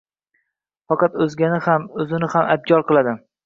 Faqat o’zgani ham, o’zini ham abgor qiladi.